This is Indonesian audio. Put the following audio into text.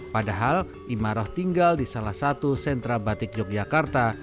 padahal imaroh tinggal di salah satu sentra batik yogyakarta